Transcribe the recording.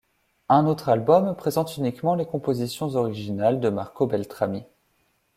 Un autre album présente uniquement les compositions originales de Marco Beltrami.